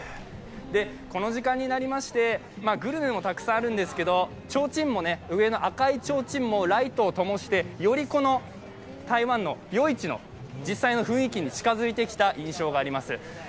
この時間になりまして、グルメもたくさんあるんですけどちょうちんも上の赤いちょうちんもライトをともしてより、台湾の夜市の実際の雰囲気に近づいてきた印象があります。